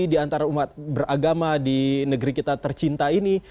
diantara umat beragama di negeri kita tercinta ini